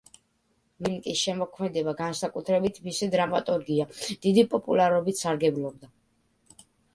მეტერლინკის შემოქმედება, განსაკუთრებით მისი დრამატურგია, დიდი პოპულარობით სარგებლობდა.